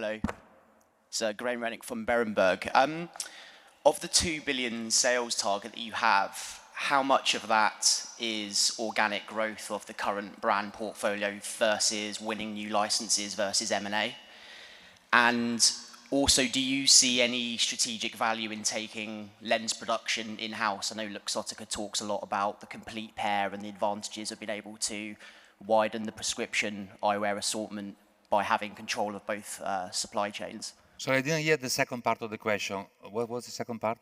Hello. It's Graham Renwick from Berenberg. Of the 2 billion sales target that you have, how much of that is organic growth of the current brand portfolio versus winning new licenses versus M&A? Do you see any strategic value in taking lens production In-House? I know Luxottica talks a lot about the complete pair and the advantages of being able to widen the prescription eyewear assortment by having control of both supply chains. I didn't hear the second part of the question. What was the second part?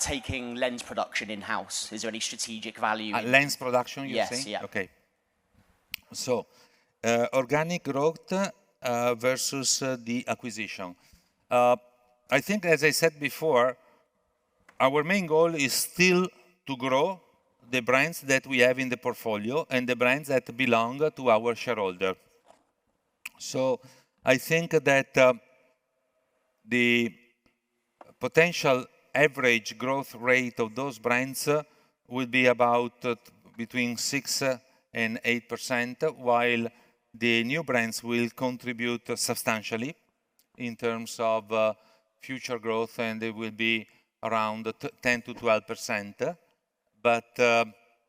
Taking lens production In-House. Is there any strategic value in Lens production, you're saying? Yes. Yeah. Okay. Organic growth versus the acquisition. I think as I said before, our main goal is still to grow the brands that we have in the portfolio and the brands that belong to our shareholder. I think that the potential average growth rate of those brands will be about between 6% and 8%, while the new brands will contribute substantially in terms of future growth, and they will be around 10%-12%.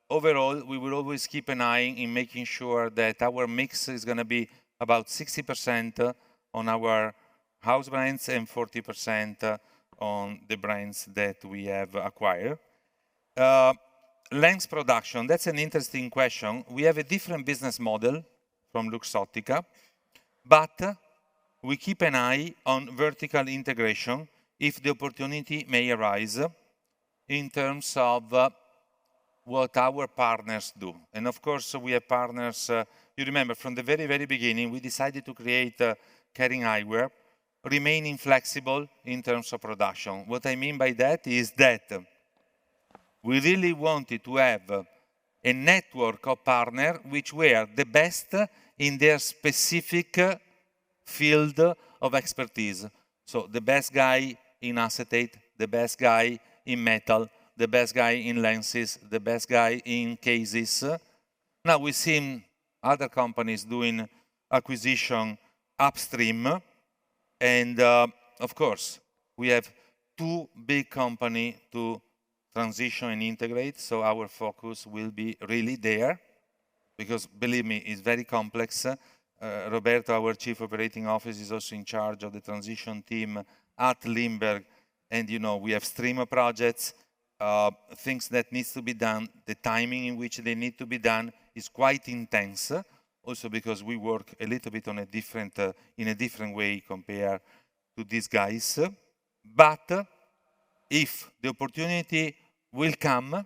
Overall, we will always keep an eye in making sure that our mix is gonna be about 60% on our house brands and 40% on the brands that we have acquired. Lens production, that's an interesting question. We have a different business model from Luxottica, but we keep an eye on vertical integration if the opportunity may arise in terms of what our partners do. Of course, we have partners. You remember, from the very, very beginning, we decided to create Kering Eyewear remaining flexible in terms of production. What I mean by that is that we really wanted to have a network of partner which were the best in their specific field of expertise, so the best guy in acetate, the best guy in metal, the best guy in lenses, the best guy in cases. Now, we've seen other companies doing acquisition upstream, and of course, we have two big company to transition and integrate, so our focus will be really there because believe me, it's very complex. Roberto, our chief operating officer, is also in charge of the transition team at Lindberg, and, you know, we have stream projects, things that needs to be done. The timing in which they need to be done is quite intense, also because we work a little bit in a different way compared to these guys. If the opportunity will come,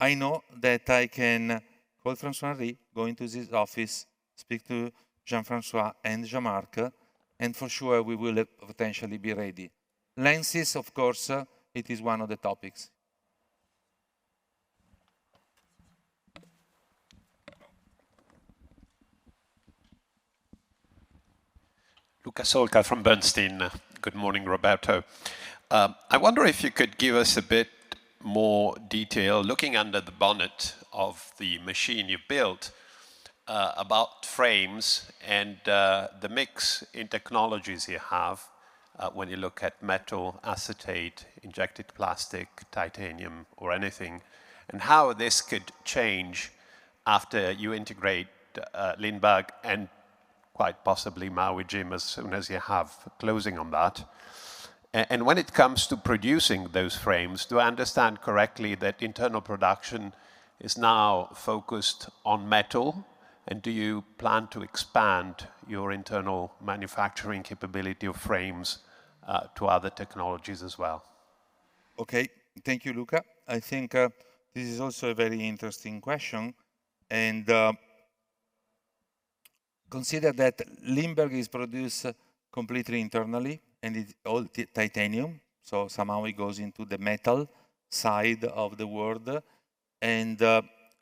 I know that I can call François-Henri, go into his office, speak to Jean-François and Jean-Marc Duplaix, and for sure we will potentially be ready. Lenses, of course, it is 1 of the topics. Luca Solca from Bernstein. Good morning, Roberto. I wonder if you could give us a bit more detail, looking under the bonnet of the machine you've built, about frames and the mix in technologies you have, when you look at metal, acetate, injected plastic, Titanium or anything, and how this could change after you integrate Lindberg and quite possibly Maui Jim as soon as you have closing on that. And when it comes to producing those frames, do I understand correctly that internal production is now focused on metal? And do you plan to expand your internal manufacturing capability of frames to other technologies as well? Okay. Thank you, Luca. I think this is also a very interesting question, and consider that Lindberg is produced completely internally, and it's all Titanium, so somehow it goes into the metal side of the world.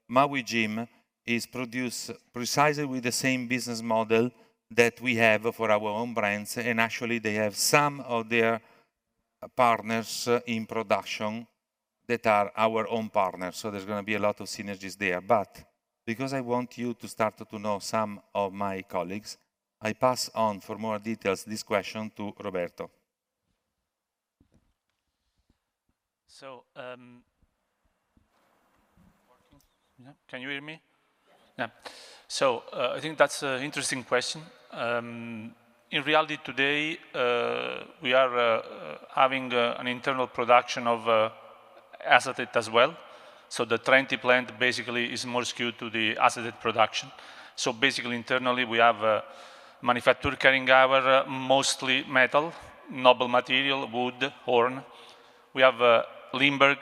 Maui Jim is produced precisely with the same business model that we have for our own brands, and actually they have some of their partners in production that are our own partners, so there's gonna be a lot of synergies there. Because I want you to start to know some of my colleagues, I pass on for more details this question to Roberto. Working? Yeah. Can you hear me? Yes. Yeah. I think that's an interesting question. In reality today, we are having an internal production of acetate as well, so the Trenti plant basically is more skewed to the acetate production. Basically, internally, we have manufacturing Kering Eyewear, mostly metal, noble material, wood, horn. We have Lindberg,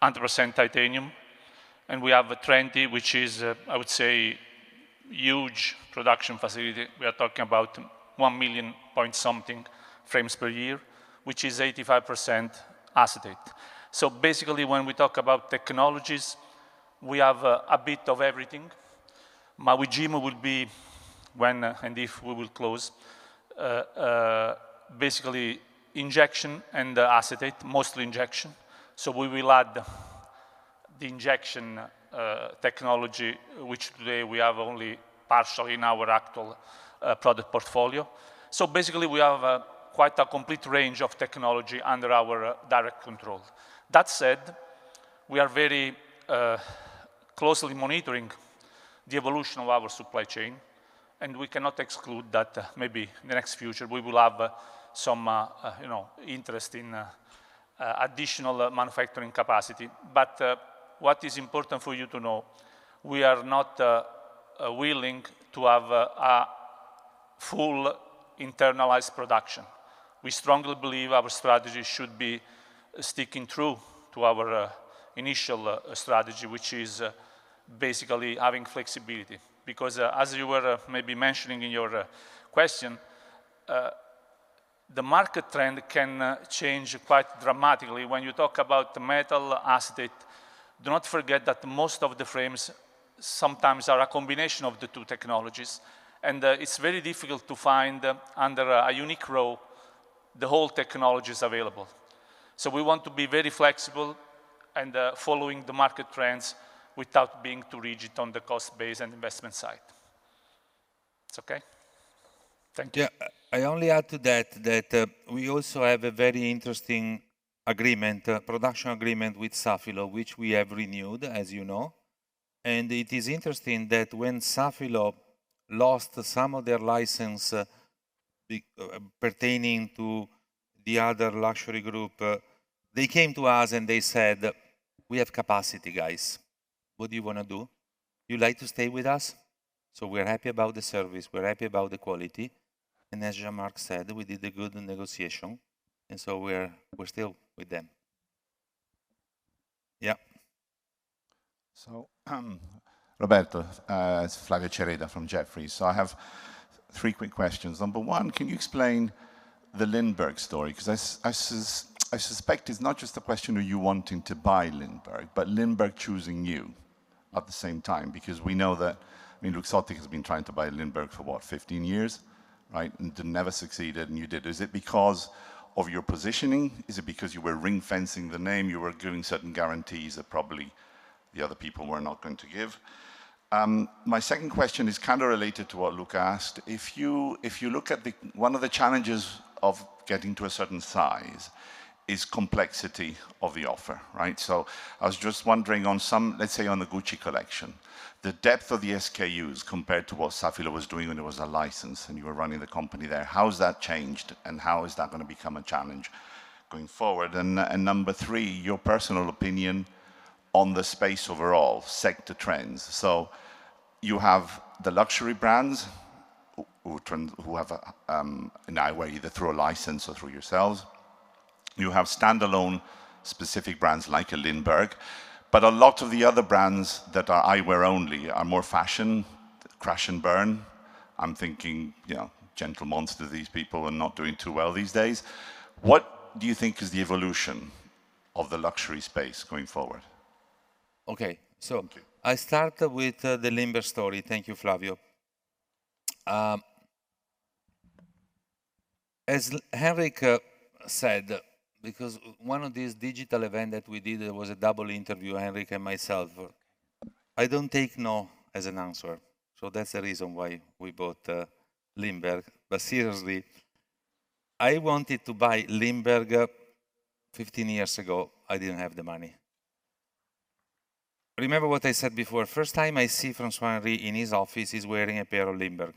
100% Titanium. We have Trenti, which is, I would say, a huge production facility. We are talking about 1 million point something frames per year, which is 85% acetate. Basically, when we talk about technologies, we have a bit of everything. Maui Jim will be, when and if we close, basically injection and acetate, mostly injection. We will add the injection technology, which today we have only partially in our actual product portfolio. Basically, we have quite a complete range of technology under our direct control. That said, we are very closely monitoring the evolution of our supply chain, and we cannot exclude that maybe in the next future we will have some you know interest in additional manufacturing capacity. What is important for you to know, we are not willing to have a full internalized production. We strongly believe our strategy should be sticking true to our initial strategy, which is basically having flexibility. As you were maybe mentioning in your question, the market trend can change quite dramatically. When you talk about metal acetate, do not forget that most of the frames sometimes are a combination of the two technologies, and, it's very difficult to find under a unique row the whole technologies available. We want to be very flexible and, following the market trends without being too rigid on the cost base and investment side. It's okay? Thank you. Yeah. I only add to that, we also have a very interesting agreement, production agreement with Safilo, which we have renewed, as you know. It is interesting that when Safilo lost some of their licenses pertaining to the other luxury group, they came to us and they said, "We have capacity, guys. What do you wanna do? You like to stay with us? So we're happy about the service, we're happy about the quality," and as Jean-Marc said, we did a good negotiation, and so we're still with them. Yeah. Roberto, it's Flavio Cereda from Jefferies. I have 3 quick questions. Number 1, can you explain the Lindberg story? Because I suspect it's not just a question of you wanting to buy Lindberg, but Lindberg choosing you at the same time, because we know that, I mean, Luxottica has been trying to buy Lindberg for what, 15 years, right? Never succeeded, and you did. Is it because of your positioning? Is it because you were ring-fencing the name, you were giving certain guarantees that probably the other people were not going to give? My second question is kind of related to what Luca asked. If you look at the 1 of the challenges of getting to a certain size is complexity of the offer, right? I was just wondering on some, let's say on the Gucci collection, the depth of the SKUs compared to what Safilo was doing when it was a license and you were running the company there, how has that changed, and how is that gonna become a challenge going forward? Number 3, your personal opinion on the space overall, sector trends. You have the luxury brands who have an eyewear either through a license or through yourselves. You have standalone specific brands like a Lindberg. But a lot of the other brands that are eyewear only are more fashion, crash and burn. I'm thinking, you know, Gentle Monster, these people are not doing too well these days. What do you think is the evolution of the luxury space going forward? Okay. Thank you. I start with the Lindberg story. Thank you, Flavio. As Henrik said, because 1 of these digital event that we did, it was a double interview, Henrik and myself, I don't take no as an answer, so that's the reason why we bought Lindberg. Seriously, I wanted to buy Lindberg 15 years ago, I didn't have the money. Remember what I said before, first time I see François-Henri in his office, he's wearing a pair of Lindberg.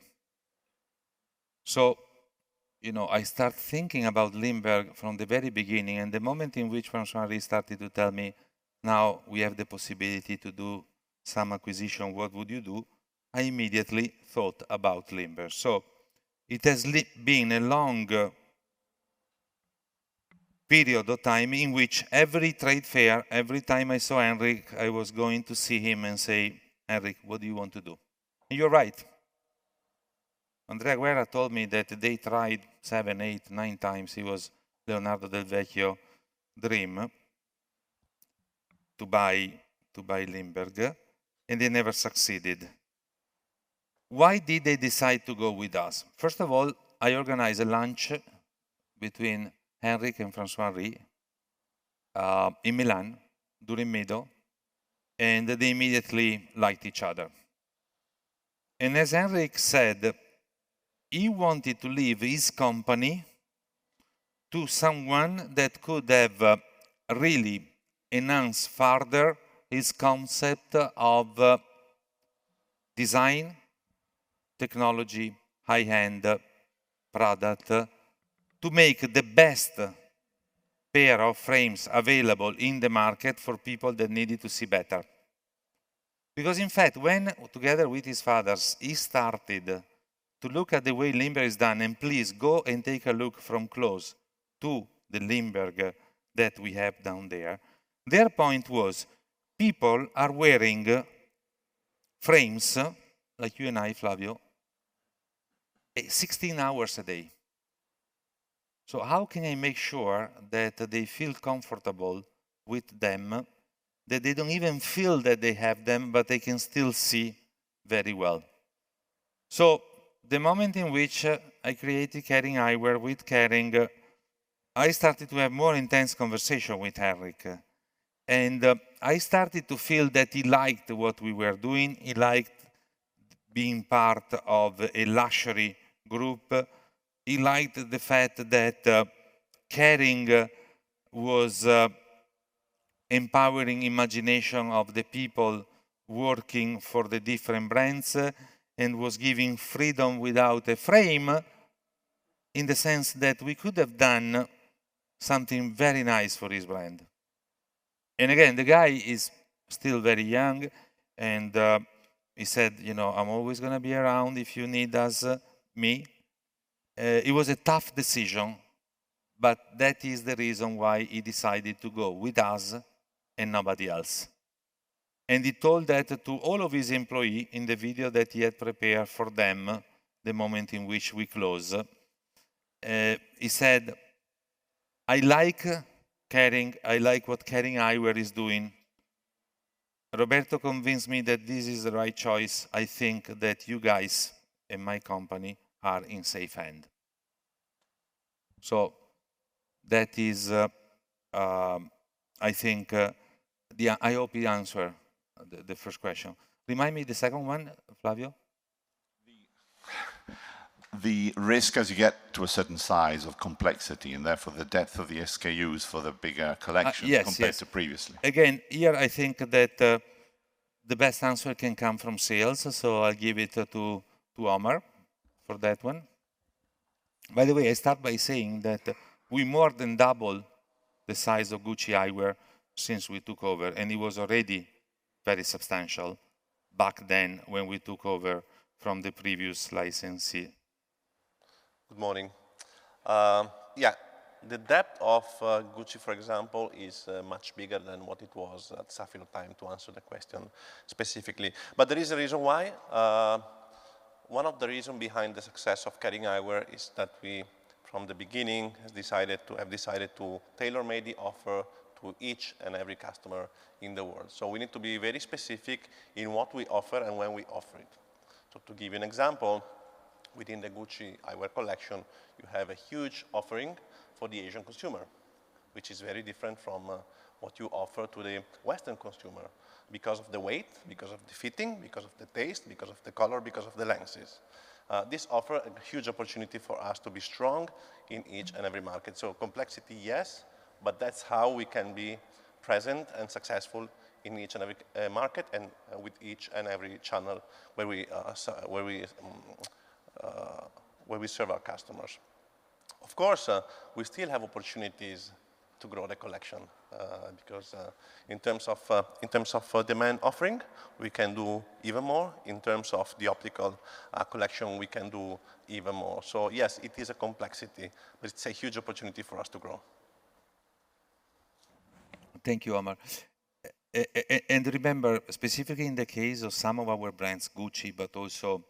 You know, I start thinking about Lindberg from the very beginning, and the moment in which François-Henri started to tell me, "Now we have the possibility to do some acquisition, what would you do?" I immediately thought about Lindberg. It has been a long period of time in which every trade fair, every time I saw Henrik, I was going to see him and say, "Henrik, what do you want to do?" You're right, Andrea Guerra told me that they tried 7, 8, 9 times. It was Leonardo Del Vecchio's dream to buy Lindberg, and they never succeeded. Why did they decide to go with us? First of all, I organized a lunch between Henrik and François-Henri in Milan during MIDO, and they immediately liked each other. As Henrik said, he wanted to leave his company to someone that could have really enhanced further his concept of design, technology, high-end product to make the best pair of frames available in the market for people that needed to see better. In fact, when together with his fathers, he started to look at the way Lindberg is done, and please go and take a look from close to the Lindberg that we have down there, their point was, people are wearing frames, like you and I, Flavio 16 hours a day. How can I make sure that they feel comfortable with them, that they don't even feel that they have them, but they can still see very well? The moment in which I created Kering Eyewear with Kering, I started to have more intense conversation with Henrik. I started to feel that he liked what we were doing. He liked being part of a luxury group. He liked the fact that Kering was empowering imagination of the people working for the different brands, and was giving freedom without a frame in the sense that we could have done something very nice for his brand. Again, the guy is still very young and he said, "You know, I'm always gonna be around if you need us, me." It was a tough decision, but that is the reason why he decided to go with us and nobody else. He told that to all of his employee in the video that he had prepared for them, the moment in which we close. He said, "I like Kering. I like what Kering Eyewear is doing. Roberto convinced me that this is the right choice. I think that you guys in my company are in safe hand. That is, I think, I hope it answer the first question. Remind me the second 1, Flavio. The risk as you get to a certain size of complexity, and therefore the depth of the SKUs for the bigger collection. Yes, yes. compared to previously. Again, here I think that the best answer can come from sales, so I'll give it to Omar for that 1. By the way, I start by saying that we more than double the size of Gucci eyewear since we took over, and it was already very substantial back then when we took over from the previous licensee. Good morning. Yeah. The depth of Gucci, for example, is much bigger than what it was. That's enough time to answer the question specifically. There is a reason why. 1 of the reason behind the success of Kering Eyewear is that we from the beginning have decided to tailor-made the offer to each and every customer in the world. We need to be very specific in what we offer and when we offer it. To give you an example, within the Gucci eyewear collection, you have a huge offering for the Asian consumer, which is very different from what you offer to the Western consumer because of the weight, because of the fitting, because of the taste, because of the color, because of the lenses. This offers a huge opportunity for us to be strong in each and every market. Complexity, yes, but that's how we can be present and successful in each and every market and with each and every channel where we serve our customers. Of course, we still have opportunities to grow the collection, because in terms of demand offering, we can do even more. In terms of the optical collection, we can do even more. Yes, it is a complexity, but it's a huge opportunity for us to grow. Thank you, Omar. Remember, specifically in the case of some of our brands, Gucci, but also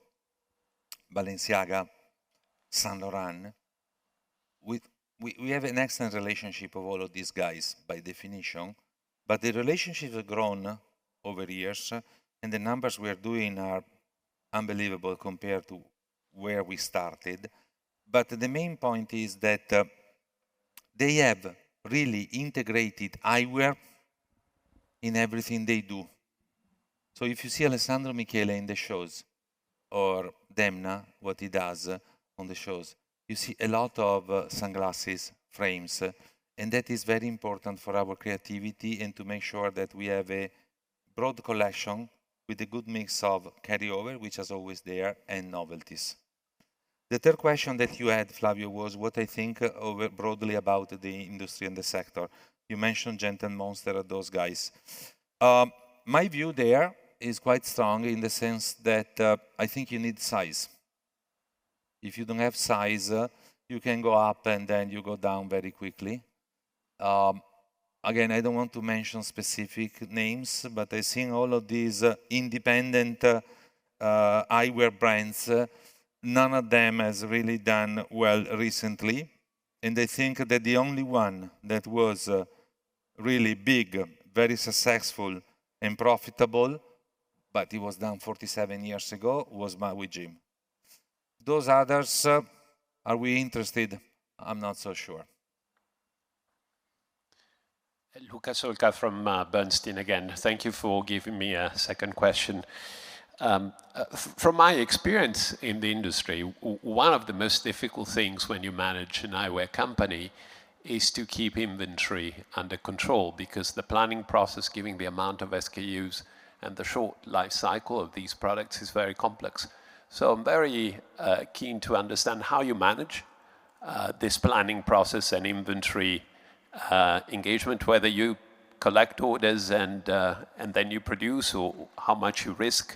Balenciaga, Saint Laurent, we have an excellent relationship of all of these guys by definition, but the relationship has grown over the years, and the numbers we are doing are unbelievable compared to where we started. The main point is that they have really integrated eyewear in everything they do. If you see Alessandro Michele in the shows or Demna, what he does on the shows, you see a lot of sunglasses frames, and that is very important for our creativity and to make sure that we have a broad collection with a good mix of carryover, which is always there, and novelties. The third question that you had, Flavio, was what I think over broadly about the industry and the sector. You mentioned Gentle Monster, those guys. My view there is quite strong in the sense that, I think you need size. If you don't have size, you can go up and then you go down very quickly. Again, I don't want to mention specific names, but I've seen all of these independent eyewear brands. None of them has really done well recently, and I think that the only 1 that was really big, very successful and profitable, but it was done 47 years ago, was Maui Jim. Those others, are we interested? I'm not so sure. Luca Solca from Bernstein again. Thank you for giving me a second question. From my experience in the industry, 1 of the most difficult things when you manage an eyewear company is to keep inventory under control because the planning process, given the amount of SKUs and the short life cycle of these products, is very complex. I'm very keen to understand how you manage this planning process and inventory engagement, whether you collect orders and then you produce, or how much you risk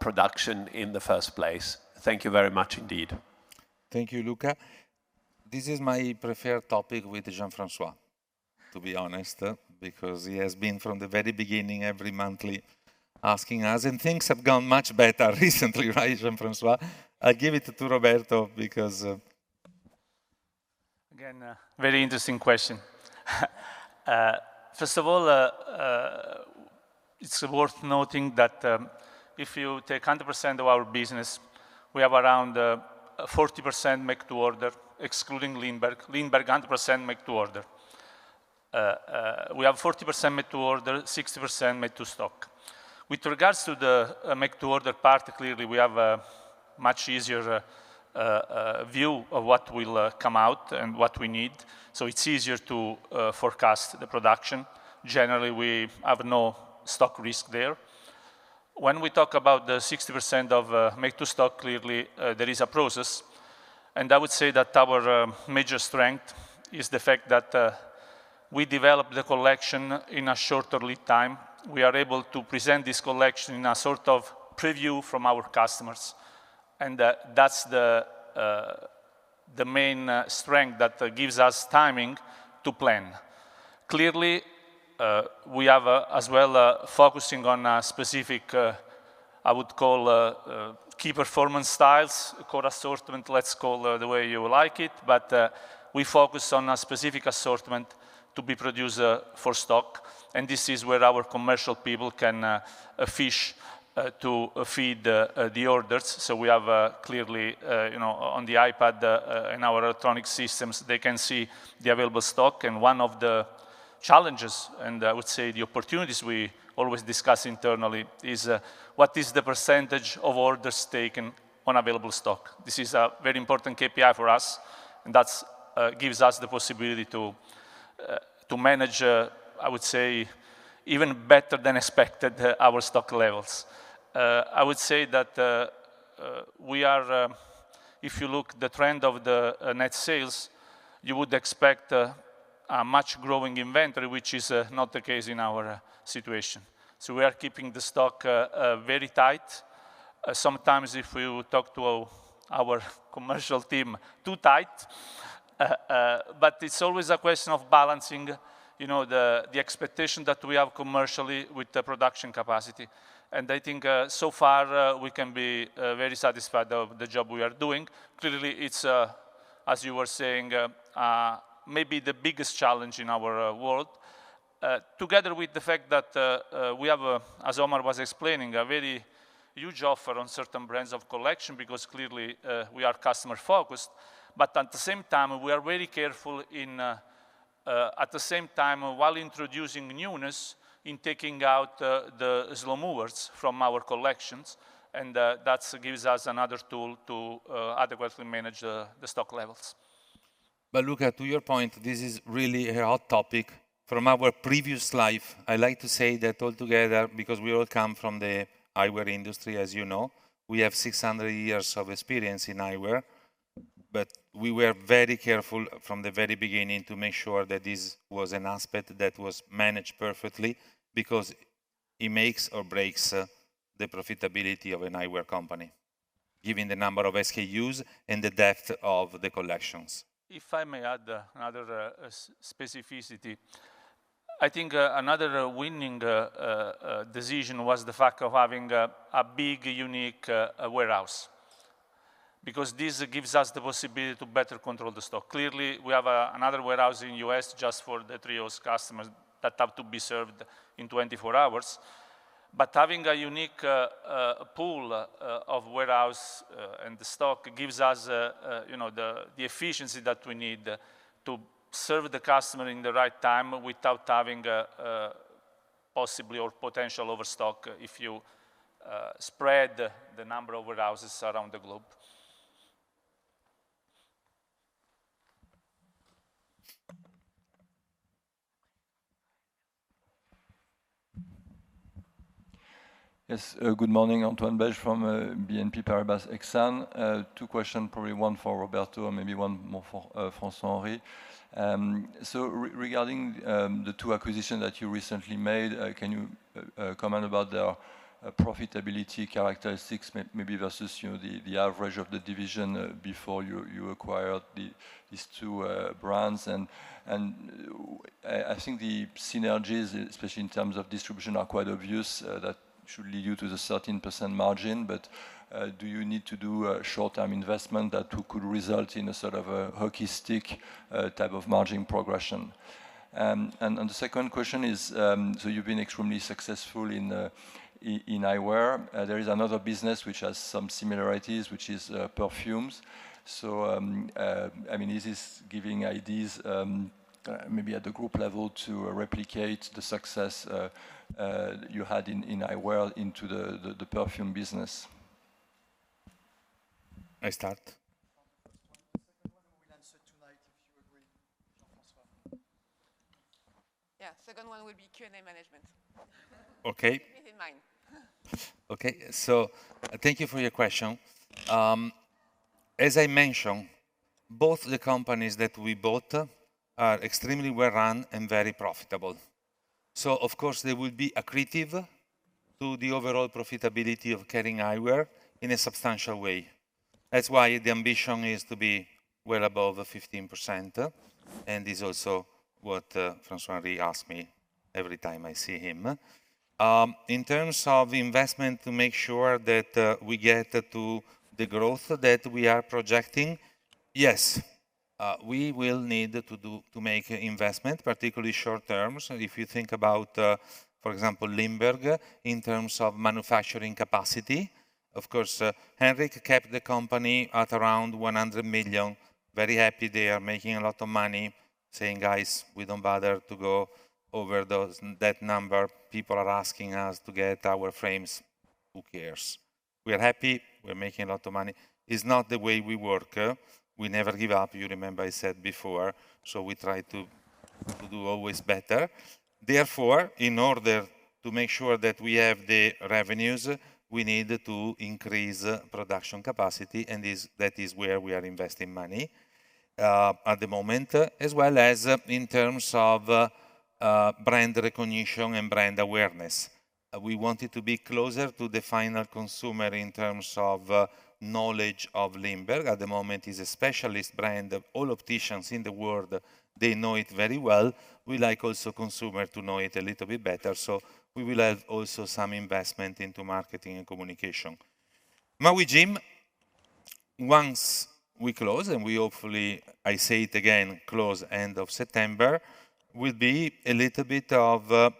production in the first place. Thank you very much indeed. Thank you, Luca. This is my preferred topic with Jean-François. To be honest, because he has been from the very beginning every monthly asking us, and things have gone much better recently, right, Jean-François? I give it to Roberto because... Again, a very interesting question. First of all, it's worth noting that if you take 100% of our business, we have around 40% make-to-order excluding Lindberg. Lindberg 100% make-to-order. We have 40% make-to-order, 60% make-to-stock. With regards to the make-to-order part, clearly we have a much easier view of what will come out and what we need, so it's easier to forecast the production. Generally, we have no stock risk there. When we talk about the 60% make-to-stock, clearly there is a process, and I would say that our major strength is the fact that we develop the collection in a shorter lead time. We are able to present this collection in a sort of preview from our customers, and that's the main strength that gives us timing to plan. Clearly, we have as well focusing on a specific I would call key performance styles, core assortment, let's call the way you like it. We focus on a specific assortment to be produced for stock, and this is where our commercial people can fish to feed the orders. We have clearly you know on the iPad in our electronic systems, they can see the available stock. 1 of the challenges, and I would say the opportunities we always discuss internally, is what is the percentage of orders taken on available stock. This is a very important KPI for us, and that gives us the possibility to manage, I would say, even better than expected, our stock levels. I would say that we are, if you look at the trend of the net sales, you would expect a much growing inventory, which is not the case in our situation. We are keeping the stock very tight. Sometimes if we talk to our commercial team, too tight. It's always a question of balancing, you know, the expectation that we have commercially with the production capacity. I think so far we can be very satisfied of the job we are doing. Clearly, it's as you were saying, maybe the biggest challenge in our world. Together with the fact that we have, as Omar was explaining, a very huge offer on certain brands of collection because clearly we are customer-focused. At the same time, we are very careful while introducing newness in taking out the slow movers from our collections, and that gives us another tool to adequately manage the stock levels. Luca, to your point, this is really a hot topic. From our previous life, I like to say that altogether, because we all come from the eyewear industry, as you know, we have 600 years of experience in eyewear. We were very careful from the very beginning to make sure that this was an aspect that was managed perfectly because it makes or breaks the profitability of an eyewear company, given the number of SKUs and the depth of the collections. If I may add, another specificity. I think, another winning decision was the fact of having a big, unique warehouse because this gives us the possibility to better control the stock. Clearly, we have another warehouse in U.S. just for the Treos customers that have to be served in 24 hours. Having a unique pool of warehouse and the stock gives us, you know, the efficiency that we need to serve the customer in the right time without having a possible or potential overstock if you spread the number of warehouses around the globe. Yes. Good morning. Antoine Belge from BNP Paribas Exane. Two questions, probably 1 for Roberto and maybe 1 more for François-Henri. Regarding the two acquisitions that you recently made, can you comment about their profitability characteristics maybe versus, you know, the average of the division before you acquired these two brands? I think the synergies, especially in terms of distribution, are quite obvious. That should lead you to the 13% margin. Do you need to do a short-term investment that could result in a sort of a hockey stick type of margin progression? The second question is, so you've been extremely successful in eyewear. There is another business which has some similarities, which is perfumes. I mean, is this giving ideas maybe at the group level to replicate the success you had in eyewear into the perfume business? I start. The first 1. The second 1 we will answer tonight if you agree, Jean-François. Yeah. Second 1 will be Q&A management. Okay. Keep me in mind. Okay. Thank you for your question. As I mentioned, both the companies that we bought are extremely well-run and very profitable. Of course they will be accretive to the overall profitability of Kering Eyewear in a substantial way. That's why the ambition is to be well above 15%, and is also what François-Henri asks me every time I see him. In terms of investment to make sure that we get to the growth that we are projecting, yes, we will need to do to make investment, particularly short term. If you think about, for example, Lindberg in terms of manufacturing capacity, of course, Henrik kept the company at around 100 million, very happy they are making a lot of money, saying, "Guys, we don't bother to go over those, that number. People are asking us to get our frames. Who cares? We're happy. We're making a lot of money." It's not the way we work. We never give up, you remember I said before, so we try to do always better. Therefore, in order to make sure that we have the revenues, we need to increase production capacity, and that is where we are investing money at the moment, as well as in terms of brand recognition and brand awareness. We wanted to be closer to the final consumer in terms of knowledge of Lindberg. At the moment is a specialist brand. All opticians in the world, they know it very well. We like also consumer to know it a little bit better, so we will have also some investment into marketing and communication. Maui Jim, once we close, and we hopefully, I say it again, close end of September, will be a little bit of a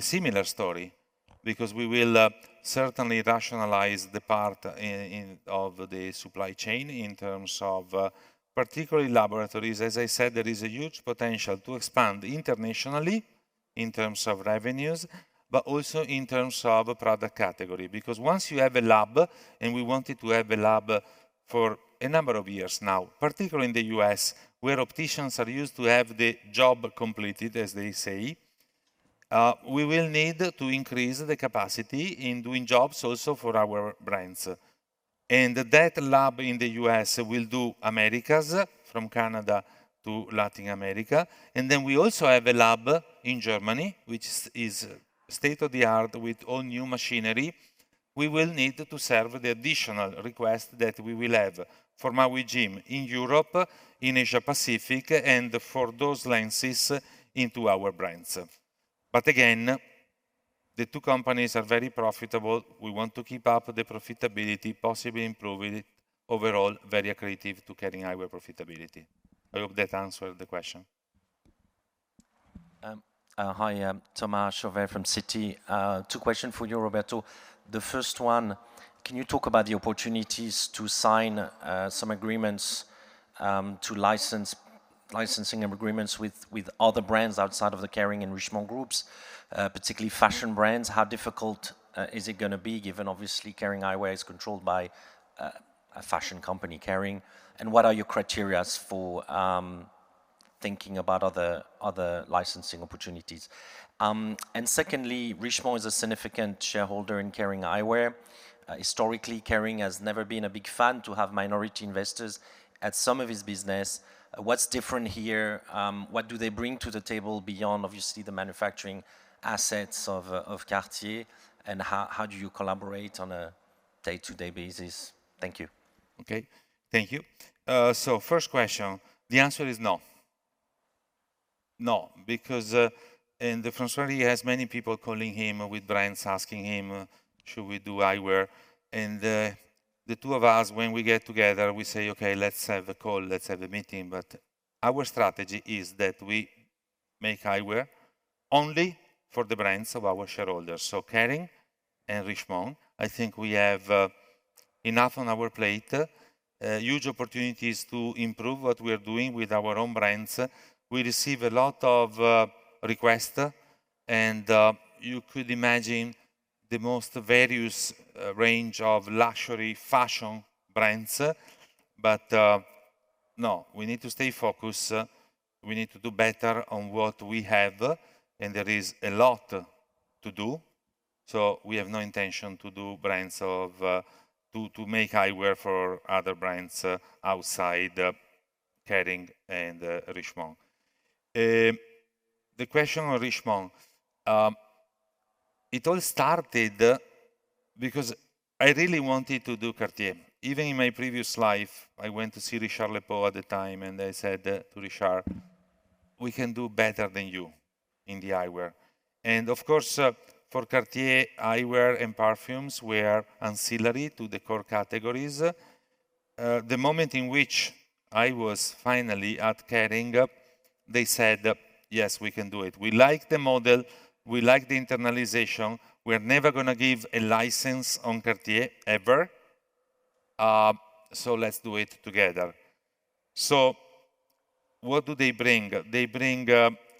similar story because we will certainly rationalize the part in of the supply chain in terms of particularly laboratories. As I said, there is a huge potential to expand internationally in terms of revenues, but also in terms of product category. Because once you have a lab, and we wanted to have a lab for a number of years now, particularly in the U.S. where opticians are used to have the job completed, as they say, we will need to increase the capacity in doing jobs also for our brands. That lab in the U.S. will do Americas, from Canada to Latin America. We also have a lab in Germany, which is state-of-the-art with all new machinery. We will need to serve the additional request that we will have for Maui Jim in Europe, in Asia Pacific, and for those lenses into our brands. Again, the two companies are very profitable. We want to keep up the profitability, possibly improving it. Overall, very accretive to Kering Eyewear profitability. I hope that answered the question. Hi, I'm Thomas Chauvet from Citi. Two questions for you, Roberto. The first 1, can you talk about the opportunities to sign some agreements to licensing agreements with other brands outside of the Kering and Richemont groups, particularly fashion brands? How difficult is it gonna be given obviously Kering Eyewear is controlled by a fashion company, Kering, and what are your criteria for thinking about other licensing opportunities? Secondly, Richemont is a significant shareholder in Kering Eyewear. Historically, Kering has never been a big fan to have minority investors at some of its business. What's different here? What do they bring to the table beyond obviously the manufacturing assets of Cartier, and how do you collaborate on a day-to-day basis? Thank you. Okay. Thank you. First question, the answer is no, because and François-Henri has many people calling him with brands asking him, "Should we do eyewear?" The two of us, when we get together, we say, "Okay, let's have a call. Let's have a meeting." Our strategy is that we make eyewear only for the brands of our shareholders, so Kering and Richemont. I think we have enough on our plate, huge opportunities to improve what we are doing with our own brands. We receive a lot of request, and you could imagine the most various range of luxury fashion brands. No, we need to stay focused. We need to do better on what we have, and there is a lot to do, so we have no intention to do brands of. to make eyewear for other brands outside Kering and Richemont. The question on Richemont. It all started because I really wanted to do Cartier. Even in my previous life, I went to see Richard Lepeu at the time, and I said to Richard, "We can do better than you in the eyewear." Of course, for Cartier, eyewear and perfumes were ancillary to the core categories. The moment in which I was finally at Kering, they said, "Yes, we can do it. We like the model. We like the internalization. We're never gonna give a license on Cartier ever, so let's do it together." What do they bring? They bring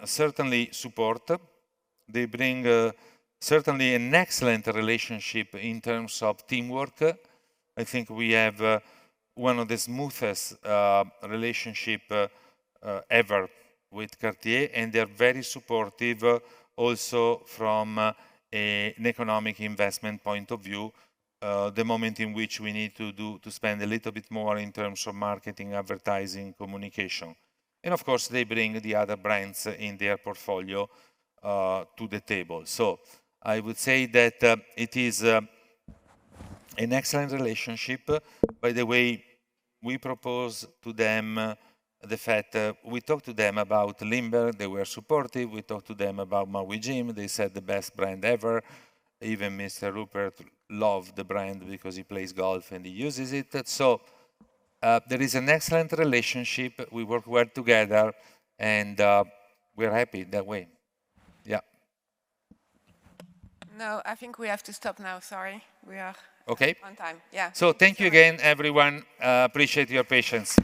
certainly support. They bring certainly an excellent relationship in terms of teamwork. I think we have 1 of the smoothest relationship ever with Cartier, and they're very supportive also from an economic investment point of view, the moment in which we need to spend a little bit more in terms of marketing, advertising, communication. Of course, they bring the other brands in their portfolio to the table. I would say that it is an excellent relationship. By the way, we propose to them the fact. We talked to them about Lindberg. They were supportive. We talked to them about Maui Jim. They said the best brand ever. Even Johann Rupert loved the brand because he plays golf and he uses it. There is an excellent relationship. We work well together, and we're happy that way. Yeah. No, I think we have to stop now. Sorry. Okay. on time. Yeah. Thank you again, everyone. Appreciate your patience.